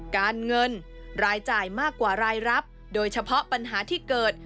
การเงินรายจ่ายมากกว่ารายรับโดยเฉพาะปัญหาที่เกิด